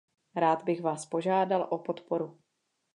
Rád bych vás požádal o podporu.